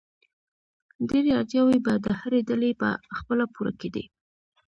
ډېری اړتیاوې به د هرې ډلې په خپله پوره کېدې.